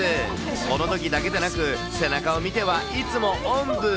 このときだけじゃなく、背中を見てはいつもおんぶ。